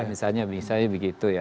misalnya misalnya begitu ya